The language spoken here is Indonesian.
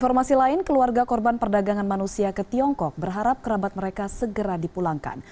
informasi lain keluarga korban perdagangan manusia ke tiongkok berharap kerabat mereka segera dipulangkan